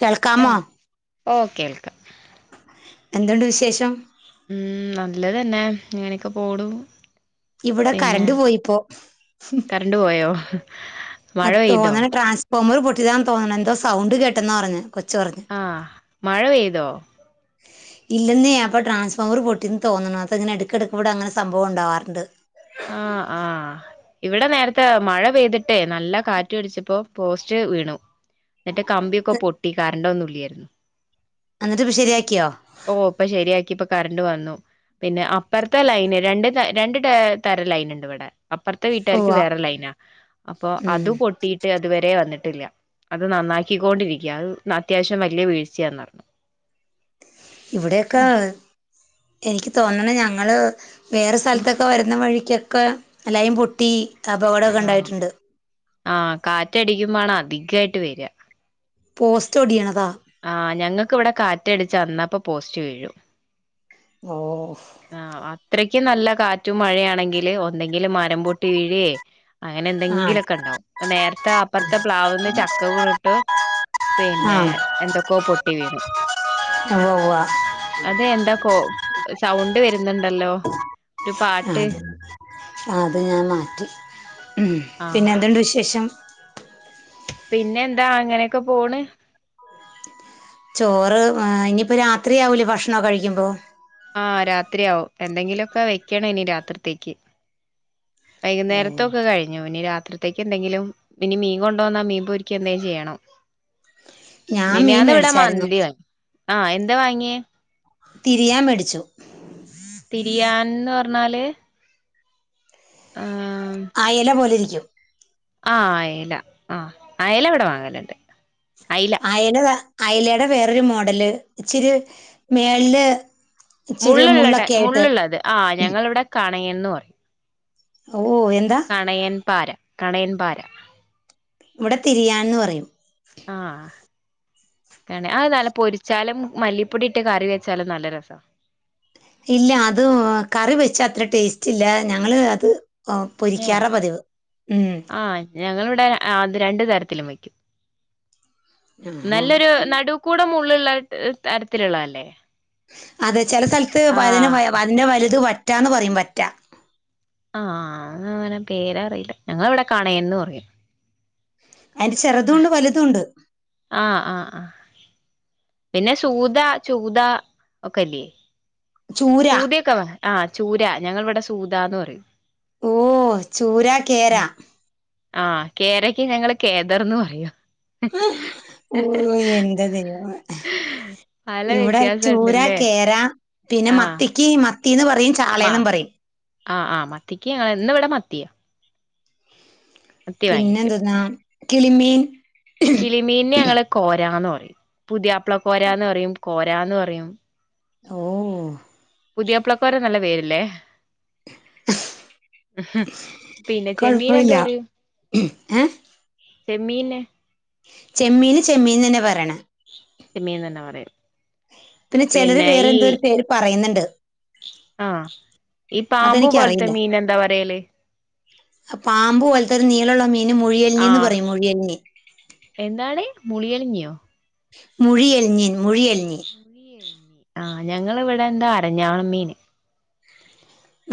കേൾക്കാമോ ആഹ് okay welcome എന്തുണ്ട് വിശേഷം ഉം നല്ലതെന്നെ ഇങ്ങനൊക്കെ പോണു ഇവടെ കരണ്ട് പോയിപ്പോ ണ്ട് പോയോ മഴ അത് പെയ്തോ തോന്ന്ണെ ട്രാൻസ്ഫോമറ് പൊട്ട്യേതാന്ന് തോന്ന്ണ് എന്തോ സൗണ്ട് കേട്ടെന്നാ പറഞ്ഞെ കൊച്ച് പറഞ്ഞ് ആഹ് മഴ പെയ്തോ ഇല്ലെന്നേ അപ്പോ ട്രാൻസ്ഫോർ പൊട്ടി ന്ന് തോന്ന്ണു അതങ്ങനെ എടക്കെക്ക് ഇവടങ്ങനെ സംഭവം ണ്ടാവാറ്ണ്ട് ആഹ് ആഹ് ഇവടെ നേരത്തെ മഴ പെയ്തിട്ടേ നല്ല കാറ്റടിച്ചപ്പോ പോസ്റ്റ് വീണു ന്ന്ട്ട് കമ്പിയൊക്കെ പൊട്ടി കരണ്ടൊന്നും ഇല്ലേര്ന്നു എന്ന്ട്ട്പ്പൊ ശെരിയാക്യോ ഓ ഇപ്പൊ ശെരിയാക്കി ഇപ്പ കരണ്ട് വന്നു പിന്നെ അപ്പർത്തെ ലൈന് രണ്ട് രണ്ട് ടേ തരം ലൈന്ണ്ട് വടെ അപ്പർത്തെ വീട്ടാര്ക്ക് ഉവ്വ വേറെ ലൈനാ അപ്പൊ ഉം അത് പൊട്ടി ട്ടി അതുവരെ വന്ന്ട്ടില്ല അത് നന്നാക്കിക്കൊണ്ടിരിക്യ അത് അത്യാവശ്യം വല്യ വീഴ്ച്യാന്ന് പർഞ് ഇവടെയൊക്കെ എനിക്ക് തോന്ന്ണ് ഞങ്ങള് വേറെ ഉം സ്ഥലത്തൊക്കെ വരുന്ന വഴിക്കൊക്കെ ലൈൻ പൊട്ടി ആഹ് അപകടൊക്കെണ്ടായിട്ട്ണ്ട് ആഹ് കാറ്റടിക്കുമ്മാണ് അധികായിട്ട് വെര പോസ്റ്റൊടിയ്ണതാ ആഹ് ഞങ്ങക്ക് ഇവടെ കാറ്റടിച്ച അന്നപ്പൊ പോസ്റ്റ് വീഴും ഓ ആഹ് അത്രയ്ക്കും നല്ല കാറ്റും മഴയാണെങ്കില് ഒന്നെങ്കില് മരംപൊട്ടി വീഴെ അങ്ങനെ ആ എന്തെങ്കിലൊക്കെണ്ടാവും ഇപ്പൊ നേര്ത്തെ അപ്പർത്തെ പ്ലാവ്ന്ന് ചക്ക വീണ് ട്ട് ആ പിന്നെ എന്തൊക്കോ പൊട്ടി വീണ് ഉവ് ഉവ്വാ അതെ എന്താകോ സൗണ്ട് വെര്ന്ന്ണ്ടല്ലോ ആ അത് ആ അത് ഞാൻ മാറ്റി ഉം ആഹ് പിന്നെ എന്ത്ണ്ട് വിശേഷം പിന്നെന്താ അങ്ങനെക്കെ പോണ് ചോറ് ഏഹ് ഇനിയിപ്പോ രാത്രിയാവില്ലെ ഭക്ഷണോക്കെകഴിക്കുമ്പോ. ആഹ് രാത്രിയാവും എന്തെങ്കിലൊക്കെ വെക്കണം ഇനി രാത്രിത്തേക്ക്. ഓ വൈകുന്നേരത്തൊക്കെ കഴി ഞ്ഞു ഇനി രാത്രിത്തേക്ക് എന്തെങ്കിലും ഇനി മീൻ കൊണ്ടോന്നാ മീൻ പൊരിക്കെന്തെലും ചെയണം. ഞാൻ മീൻ മിനിയാന്ന് ഇവിടെ മേടിച്ചായിരുന്നു മന്തിയാ ആ എന്താ വാങ്ങിയേ? തിരിയാൻ മേടിച്ചു. തിരിയാൻന്ന് പറഞ്ഞാല്? ആഹ് ആയല പോലിരിക്കും. ആ അയല ആ അയല ഇവിടെ വാങ്ങലുണ്ട് അയില. അയല അയലയുടെ വേറൊരു മോഡല് ഇച്ചിരി മേളില് ഇച്ചിരി മുള്ളുള്ള ടൈ മുള്ളൊക്കെ ആയിട്ട്. മുള്ളുള്ളത് ആഹ് ഞങ്ങള് ഇവിടെ കാണയെന്ന് പറയും. ഓ എന്താ? കണയൻ പാര കണയൻ പാര. ഇവിടെ തിരിയാൻന്ന് പറയും. ആഹ്. ക്കണം അത് നല്ല പൊരിച്ചാലും മല്ലിപ്പൊടി ഇട്ട് കറി വെച്ചാലും നല്ല രസ. ഇല്ല അത് കറി വെച്ചാ അത്ര ടേസ്റ്റ് ഇല്ല ഞങ്ങള് അത്. പൊരിക്കാറ പതിവ് ഉം ആ ഞങ്ങളിവിടെ അത് രണ്ടു തരത്തിലും വെക്കും ആഹാ നല്ലൊരു നടു കൂട് മുള്ള്ള്ള തരത്തിലുള്ള അല്ലെ? അതെ ചെല സ്ഥലത്ത് അതിന് അതിന്റെ വലുത് വറ്റാന്ന് പറയും വറ്റാ. ആഹ് അങ്ങനെ പേര് അറിയില്ല ഞങ്ങള് ഇവിടെ കണേന്ന് പറയും. അയിന്റെ ചെറുതും ഉണ്ട് വലുതും ഉണ്ട്. ആഹ് ആഹ് ആ പിന്നെ സൂത ചൂത ഒക്കല്ലേ? ചൂര സൂദയൊക്കെ ആ ചൂര ഞങ്ങളിവിടെ സൂദാന്ന് പറയും. ഓ ചൂരാ കേരാ. ആ കേരയ്ക്ക് ഞങ്ങള് കേദർന്ന് പറയും. ഊയോ എന്റെ ദൈവമേ പല ഇവിടെ വ്യത്യാസം ചൂരാ ഉണ്ടല്ലേ കേരാ പിന്നെ ആഹ് മത്തിക്ക് മത്തിന്ന് പറയും മ ചാളേന്നും പറയും. ആഹ് ആഹ് മത്തിക്ക് ഞങ്ങള് ഇന്ന് ഇവിടെ മത്തിയ. വാങ്ങിച്ചു പിന്നെന്ത്‌ന്നാ കിളിമീൻ. കിളിമീനിന് ഞങ്ങള് കോരാന്ന് പറയും പുതിയാപ്പ്ള കോരാന്ന് പറയും കോരാന്ന് പറയും. ഓ പുതിയാപ്പ്ള കോര നല്ല പേര്ല്ലെ. പിന്നെ ചെമ്മീന് എന്ത് കുഴപ്പമില്ല പറയും? ഏ ചെമ്മീന്. ചെമ്മീന് ചെമ്മീൻ തന്നെ പറയണെ. ചെമ്മീൻന്നന്നെ പറയും. പിന്നെ ചെലര് വേറെ എന്തോ ഒരു പേര് പറയുന്നുണ്ട്. ആ ഈ പാമ്പു പോലത്തെ അതെനിക്കറിയില്ല മീൻ എന്താ പറയല് പാമ്പ് പോലത്തൊരു നീളള്ള മീൻ മുഴിയലിനീന്ന് ആഹ് പറയും മുഴിയൽനി എന്താണ് മുളിയലിഞ്ഞിയോ. മുഴിയെൽഞ്ഞി മുഴിയെൽഞ്ഞി. മുളിയലിഞ്ഞി ആഹ് ഞങ്ങളവിടെ ന്താ അരഞ്ഞാളമീന്.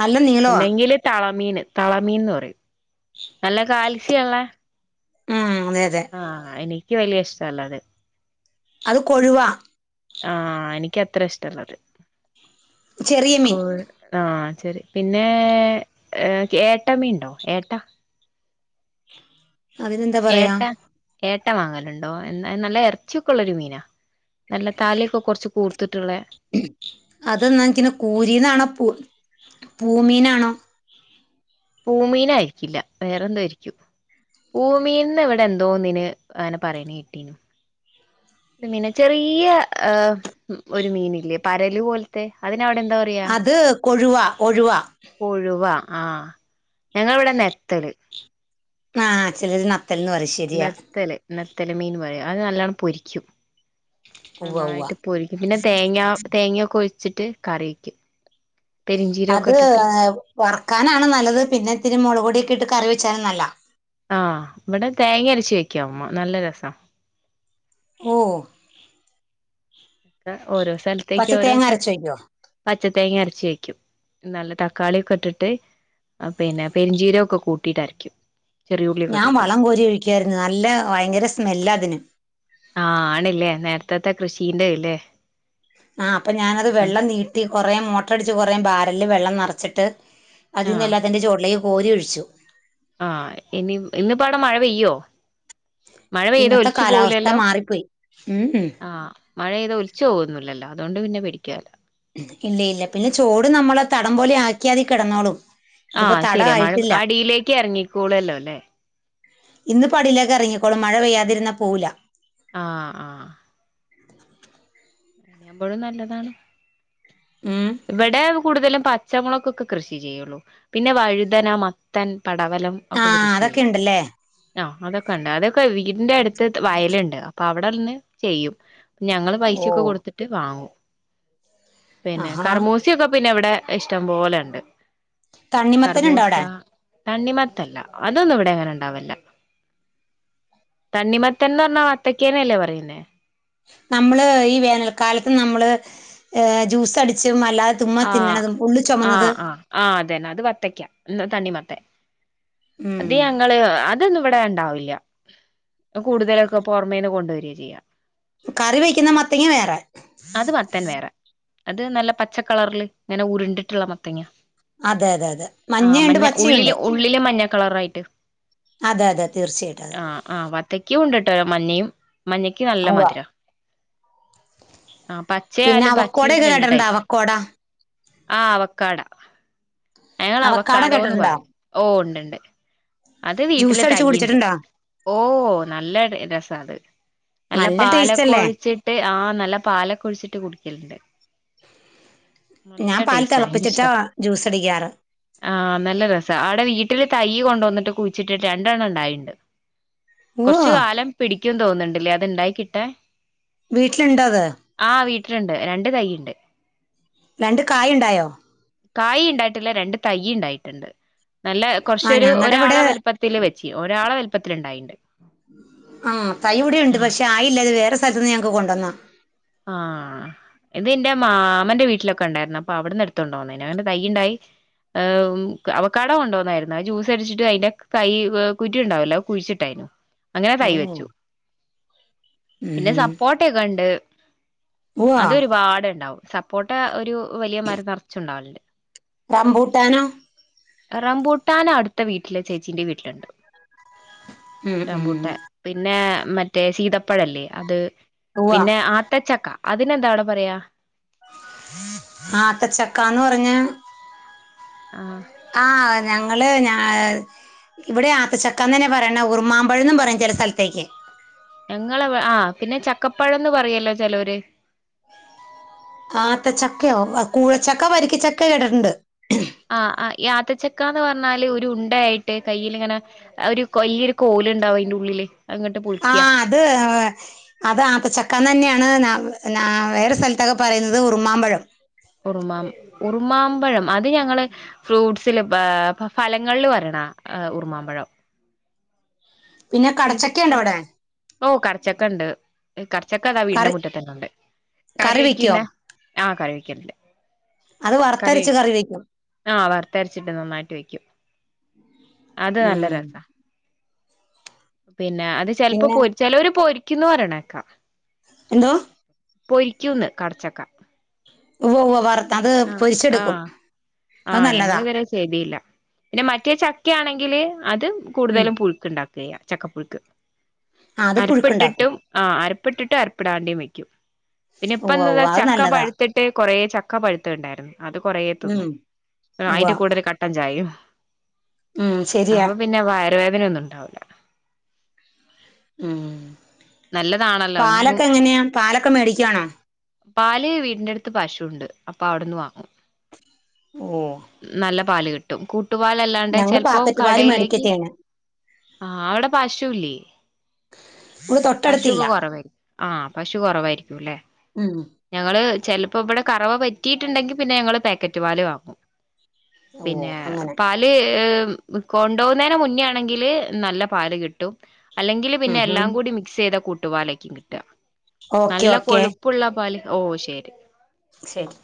നല്ല നീളമാ അല്ലെങ്കില് തളമീന് തളമീൻന്ന് പറയും നല്ല കാൽസ്യള്ള ഉം അതെ. ആഹ്, എനിക്ക് വല്യേ ഇഷ്ടല്ലാ. അത് അത് കൊഴുവ. ആഹ് എനിക്ക് അത്ര ഇഷ്ടല്ലത് ചെറിയ മീൻ കോ ആഹ് ശെരി പിന്നെ ഏട്ട മീണ്ടൊ ഏട്ട അതിനെന്താ പറയാ ഏട്ട, ഏട്ട വാങ്ങലുണ്ടോ എന്താ നല്ല എറച്ചിക്കെള്ളൊരു മീനാ. നല്ല താലയൊക്കെ കുറച്ച് കൂർത്തിട്ടുള്ള. [unintelligible] കൂരീന്നാണോ പൂമീനാണോ. പൂമീനായിരിക്കില്ല വേറെന്തോ ആയിരിക്കും. പൂമീനിന് ഇവിടെ എന്തോന്നിനു അങ്ങനെ പറയണ കേട്ടീനു മീന്, ചെറിയ ഒരു മീനില്ലേ പരല് പോലത്തെ അതിനവിടെ എന്താ പറയ അത് കൊഴുവ കൊഴുവ കൊഴുവ ആഹ് ഞങ്ങളിവിടെ നെത്തല്. ആഹ് ചിലര് നത്തൽന്ന് പറയും ശരിയാ നത്തല് നത്തല് മീൻ പറയും അത് നല്ലണം പൊരിക്കും. ഉവ്വ ഉവ്വ നന്നായിട്ട് പൊരിക്കും പിന്നെ തേങ്ങ തേങ്ങൊക്കെ ഒഴിച്ചിട്ട് കറിവെക്കും അത് വറുക്കാനാണ് നല്ലത്, പിന്നെ ഇത്തിരി മുളക് പൊടിയൊക്കെ ഇട്ട് കറി വെച്ചാലും നല്ല ആഹ്, ഇവിടെ തേങ്ങ അരച്ചു വെക്കും അമ്മ നല്ല രസാ ഓഹ് ഓരോ സ്ഥലത്തേക്ക് പച്ച ഓരോ തേങ്ങ അരച്ച് [unintelligible] ഒഴിക്കോ പച്ച തേങ്ങ അരച്ചി വെക്കും നല്ല തക്കാളിയൊക്കെ ഇട്ടിട്ട്. പിന്നെ പെരിഞ്ചീരം ഒക്കെ കൂട്ടിയിട്ടരക്കും. ചെറിയ ഉള്ളിയൊക്കെ ഞാൻ ഇട്ടിട്ട് വളം കോരി ഒഴിക്കായിരുന്നു നല്ല വയങ്കര സ്മെല്ലാ അതിന്. ആഹ് ആണില്ലേ നേരത്തെത്തെ കൃഷീന്റെത് അല്ലെ ആഹ്, അപ്പൊ ഞാനത് വെള്ളം നീട്ടി കൊറേ മോട്ടർടിച്ച് കൊറേ ബാരല് വെള്ളം നെറച്ചിട്ട്. അതിന്ന് ആഹ് എല്ലാത്തിന്റേം ചോട്ടിലേക്ക് കോരി ഒഴിച്ചു ആഹ്, ഇനി ഇന്നിപ്പവിടെ മഴ പെയ്യോ? മഴ പെയ്ത ഇന്നത്തെ ഒലിച്ചു കാലാവസ്ഥ പോവൂലെല്ലോ, മാറിപ്പോയി ഉം ഉം ആഹ് മഴെയ്താ ഒലിച്ച് പോകന്നില്ലല്ലോ അതൊണ്ട് പിന്നെ പേടിക്കാനില്ല. ഇല്ല ഇല്ല പിന്നെ ചോട് നമ്മളെ തടം പോലെ ആക്കിയാലതി കെടന്നോളും. ആഹ് ശരിയാ മഴ അടിയിലേക്ക് എറങ്ങിക്കൂളല്ലോ ല്ലേ. ഇന്ന്പ്പടിയിലേക്കെറങ്ങിക്കോളും മഴ പെയ്യാതിരുന്നാ പോവൂല. ആഹ്, ആഹ് നിയുമ്പോഴും നല്ലതാണ് ഉം ഇവിടെ കൂടുതലും പച്ചമുളകൊക്കെ കൃഷി ചെയ്യുള്ളൂ. പിന്നെ വഴുതന, മത്തൻ, പടവലം. ഒക്കെ ആഹ് കൃഷി അതൊക്കെ ചെയ്യും. ഉണ്ടല്ലേ ആഹ് അതൊക്കെ ഉണ്ട് അതൊക്കെ വീടിന്റെ അടുത്ത് വയലുണ്ട്. അപ്പൊ അവിടെന്ന് ചെയ്യും ഞങ്ങള് ഓ പൈസയൊക്കെ കൊടുത്തിട്ട് വാങ്ങും. പിന്നെ ആഹാ കൃഷിയൊക്കെ പിന്നെ ഇവിടെ ഇഷ്ടം പോലെണ്ട് തണ്ണിമത്തൻ ഉണ്ടോ കറമൂസ. അവിടെ തണ്ണിമത്തല്ല അതൊന്നും ഇവിടെ അങ്ങനെ ഉണ്ടാവലില്ല. തണ്ണിമത്തൻ എന്ന് പറഞ്ഞാൽ വത്തക്കേനെ അല്ലേ പറയുന്നെ നമ്മള് ഈ വേനൽക്കാലത്ത് നമ്മള് ജ്യൂസ് അടിച്ചും അല്ലാതെ ചുമ്മാ ആഹ് തിന്നണതും ഉള്ള് ആഹ് ചോമന്നത്- ആഹ് അത് തന്നെ അത് വത്തെയ്ക്ക ഇത് തണ്ണിമത്തൻ ഉം അത് യങ് [unintelligible] നിങ്ങള് അതൊന്നും ഇവിടെ ഇണ്ടാവില്ല അത് കൂടുതലൊക്കെ പൊറമെന്ന് കൊണ്ട് വരികയാ ചെയ്ക കറി വെക്കുന്ന മത്തങ്ങ വേറെ അത് മത്തൻ വേറെ അത് നല്ല പച്ച കളറില് ഇങ്ങനെ ഉരുണ്ടിട്ടുള്ള മത്തങ്ങ അതെ അതെ അതെ ആഹ് മഞ്ഞേയുണ്ട് മഞ്ഞ പച്ചേയുണ്ട് ഉള്ളില് ഉള്ളില് മഞ്ഞ കളറായിട്ട് അതെ അതെ തീർച്ചയയിട്ടും അതെ ആഹ് ആഹ് വത്തക്കെയും ഉണ്ട് ട്ടോ മഞ്ഞയും മഞ്ഞക്ക് നല്ല ഉവ്വ മധുരവ ആ പിന്നെ പച്ചയാലും പച്ചിം അവക്കോടൊക്കെ രണ്ട് കേട്ടിട്ടുണ്ടോ ടൈപ്പാ അവക്കോട ആ പവക്കാടാ അയ്ന് ഞങ്ങള് അവക്കാട അവക്കാടോന്ന് കേട്ടിട്ടുണ്ടോ പറയും ഓ ഉണ്ട്ണ്ട് അത് വീട്ടില് ജ്യൂസ് ത അടിച്ച് കുടിച്ചിട്ടുണ്ടോ [unintelligible] ഓ നല്ല രസണ്ട് നല്ല ടേസ്റ്റ് പാലൊക്കെ അല്ലേ ഒഴിച്ച്- ട്ട് ആ നല്ല പാലൊക്കെ ഒഴിച്ചിട്ട് കുടിക്കല്ണ്ട് നല്ല ഞാൻ പാൽ ടേസ്റ്റാ തെളപ്പിച്ചിട്ടാ ജ്യൂസ് അടിക്കാറ് ആഹാ നല്ല രസാ അവിടെ വീട്ടില് തയ്യ് കൊണ്ടോന്നിട്ട് കുഴിച്ചിട്ടിട്ട് രണ്ടെണ്ണം ഇണ്ടായിട്ടുണ്ട് ഓ കൊറച്ച് കാലം പിടിക്കും തോന്നുന്ന്ണ്ട് ഇല്ലേ അത് ഇണ്ടായി കിട്ടാൻ വീട്ടിൽ ഇണ്ടോ അത് ആഹാ വീട്ടിലുണ്ട് രണ്ട് തൈയുണ്ട് രണ്ട് കായ ഇണ്ടായോ കായി ഇണ്ടായിട്ടില്ല രണ്ട് തൈ ഇണ്ടായിട്ടുണ്ട് നല്ല ആ കൊറച്ചൊരു ഞങ്ങളുടെ ഇവിടെ ഒരാളെ വലിപ്പത്തി- ത്തില് വെച്ചി ഒരാളെ വലുപ്പത്തിൽ ഇണ്ടായിണ്ട് ആഹ് തൈ ഇവിടെയുണ്ട് പക്ഷേ ആയില്ല ഇത് വേറെ സ്ഥലത്തിന്ന് ഞങ്ങക്ക് കൊണ്ടുവന്നതാ ആഹാ ഇത് ഇന്റെ മാമന്റെ വീട്ടിലൊക്കെ ഇണ്ടായിരുന്നു അപ്പോ അവിട്ന്ന് ഇടുത്തോണ്ട് പോന്നീനിം അയിന്റെ തൈയിണ്ടായി ഏ അവകാടോ കൊണ്ടോന്നായിരുന്നു അത് ജ്യൂസ് അടിച്ചിട്ട് അതിന്റെ തൈ കുരു ഉണ്ടാവല്ലോ കുഴിച്ചിട്ടായിരുന്നു അങ്ങനെ തൈ ഓ വെച്ചു പിന്നെ സപ്പോട്ടക്കെ ഒണ്ട് ഓ അത് ഒരുപാട്ണ്ടാവും സപ്പോട്ട ഒരു വലിയ മരം നറച്ചുണ്ടാവലുണ്ട് റംമ്പൂട്ടാനോ റബൂട്ടാൻ അടുത്ത വീട്ടിലെ ചേച്ചീന്റെ വീട്ടിലുണ്ട് ഉം, ഉം. റംമ്പൂട്ടാൻ പിന്നെ മറ്റേ സീതപ്പഴം ഇല്ലേ അത് ഉവ്വ പിന്നെ ആത്തച്ചക്ക അതിനെന്താ അവിടെ പറയ്ക ആത്തച്ചക്കാന്ന് പറഞ്ഞ- ആഹാ ആഹാ ഞങ്ങള് ഞാ- ഇവിടെ ആത്തച്ചക്കാന്നാ പറയ്ണെ ഉറുമാമ്പഴം എന്നും പറയും ചെലെ സ്ഥലത്തേക്ക് ഞങ്ങളെ ഇവി ആ പിന്നെ ചക്കപ്പഴന്ന് പറയോലോ ചെലോര് ആത്ത ചക്കയോ കൂഴച്ചക്ക വരിക്കചക്ക കേട്ടിട്ടുണ്ട് ആഹ് ആഹ് ഈ ആത്തച്ചക്കാന്ന് പറഞ്ഞാല് ഒരു ഉണ്ട ആയിട്ട് കയ്യില് ഇങ്ങനെ- ഒരു വല്യ ഒരു കോലുണ്ടാവും അയിന്റെ ഉള്ളില് അത് ഇങ്ങട്ട് പൊളിയ്ക്കിയ ഇത് അവ [unintelligible] അത് ആത്തച്ചക്കാന്നന്നെയാണ് നാ നാ വേറെ സ്ഥലത്തൊക്കെ പറയുന്നത് ഉറുമാമ്പഴം. ഉറുമാം ഉറുമാമ്പഴം അത് ഞങ്ങള് ഫ്രൂട്ട്സില് പ ഫലങ്ങളിൽ പറയ്ണാ ഉറ്മാമ്പഴം. പിന്നെ ഇതിപ്പോ കടച്ചക്കയുണ്ടോ അവ്ടെ? ഓഹ് കടച്ചക്ക ഇണ്ട്. കടച്ചക്ക ദാ വീടിന്റെ കറി മുറ്റത്തെന്നെ ഇണ്ട്. കറി വെക്കുന്ന ആഹ് കറി വെക്കല്ണ്ട്. അത് വറുത്തരച്ച് കറി വെക്ക്യും. ആഹ് വറുത്തരച്ചിട്ട് നന്നായിട്ട് വെക്ക്യും അത് നല്ല ഉം രസാ. പിന്നെ അത് ചെലപ്പോ പിന്നെ പൊര്, ചെലോര് പൊരിക്കുംന്ന് പറയ്ണേക്കാ. എന്തോ? പൊരിക്ക്യുംന്ന് കടച്ചക്ക. ഉവ്വ് ഉവ്വ് വറത്ത അത് ആഹ് പൊരിച്ചെടുക്കും അത് നല്ലതാ. ചെയ്തീല്ല. പിന്നെ മറ്റേ ചക്കയാണെങ്കില് അത് ഉം കൂടുതലും പുഴുക്ക് ഉണ്ടാ ക്കാ ചെയ്യാ ചക്കപ്പുഴുക്ക്. അത് പുഴുക്കുണ്ടാക്കും അരിപ്പിട്ടിട്ടും ആഹ് അരപ്പിട്ടിട്ടും അരപ്പിടാണ്ടിം വെക്കും പിന്നെ ഇപ്പ ഉവ്വ ഇന്ന് ഇതാ ഉവ്വ അത് ചക്ക നല്ലതാ പഴുത്ത് ട്ട് കൊറേ ചക്ക പഴുത്തതുണ്ടായിരുന്നു. അത് കൊറേ തിന്നു. ഉം ഉവ്വ അയിന്റെ കൂടെ ഒരു കട്ടൻ ചായേം. ഉം ശരിയാ. പിന്നാ വയർവേദന ഒന്നും ഉണ്ടാവൂല്ല. ഉംമ്. നല്ലതാണല്ലോ ന്നും പാലൊക്കെ എങ്ങനെയാ പാലൊക്കെ മേടിക്ക്യാണോ? പാല് വീടിന്റെ അടുത്ത് പശുണ്ട് അപ്പൊ അവട്ന്ന് വാങ്ങും. ഓഹ്. നല്ല പാല് കിട്ടും. കൂട്ടുപാലല്ലാണ്ടെ ഞങ്ങള് ചെലപ്പോ പാക്കറ്റ് പാല് മേടിക്ക കടയിലേക്ക് ചെയ്യണേ ആഹ് അവടെ പശു ല്ലേ? നമുക്ക് തൊട്ടടുത്തില്ല. കുറവായിരിക്കും ആഹ് പശു കൊറവായിരിക്ക്യു ല്ലേ. ഉംമ്. ഞങ്ങള് ചെലപ്പോ ഇവടെ കറവ പറ്റിയിട്ടുണ്ടെങ്കി പിന്നെ ഞങ്ങള് പാക്കറ്റ് പാല് വാങ്ങും. ഓ പിന്നെ അങ്ങനെ പാ ല് എഹ്മ് കൊണ്ടോവുന്നേന് മുന്നേ ആണെങ്കില് നല്ല പാല് കിട്ടും. അല്ലെങ്കിൽ പിന്നെ ഉം എല്ലാം ഉം കൂടി മിക്സ് ചെയ്ത കൂട്ടുപാലേക്കും കിട്ടാ. ഓക്കെ നല്ല ഓക്കെ കൊഴുപ്പുള്ള പാല്, ഓഹ് ശരി. ശരി.